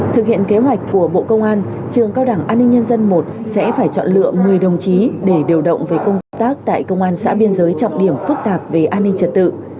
thực hiện kế hoạch của bộ công an trường cao đảng an ninh nhân dân i sẽ phải chọn lựa một mươi đồng chí để điều động về công tác tại công an xã biên giới trọng điểm phức tạp về an ninh trật tự